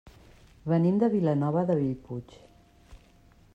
Venim de Vilanova de Bellpuig.